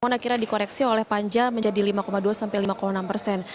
akhirnya dikoreksi oleh panja menjadi lima dua sampai lima enam persen